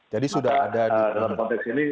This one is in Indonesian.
jadi sudah ada di dalam konteks ini